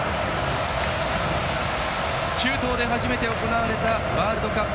中東で初めて行われたワールドカップ。